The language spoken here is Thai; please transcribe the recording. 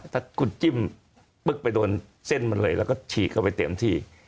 ถ้าคุณจิ้มปึ๊กไปโดนเส้นมันเลยแล้วก็ฉีกเข้าไปเต็มที่